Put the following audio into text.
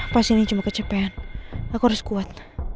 pas ini cuma kecepean aku harus kuat